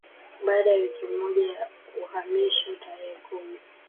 Baada ya wiki moja ya uhamisho tarehe kumi